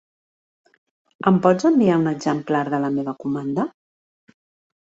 Em pots enviar un exemplar de la meva comanda?